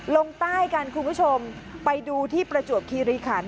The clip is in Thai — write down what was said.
ลงใต้กันคุณผู้ชมไปดูที่ประจวบคีริขัน